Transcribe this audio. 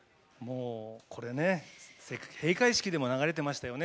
これね閉会式でも流れてましたよね。